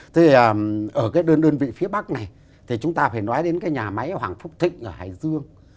thế thì ở cái đơn đơn vị phía bắc này thì chúng ta phải nói đến cái nhà máy hoàng phúc thịnh ở hải dương